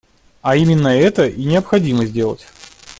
А именно это и необходимо сделать.